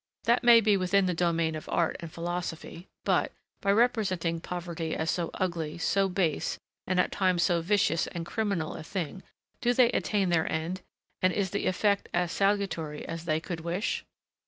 That may be within the domain of art and philosophy; but, by representing poverty as so ugly, so base, and at times so vicious and criminal a thing, do they attain their end, and is the effect as salutary as they could wish?